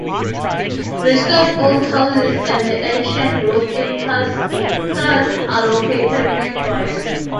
Restored old houses and the ancient road in Tarsus are located nearby.